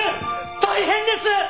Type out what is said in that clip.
大変です！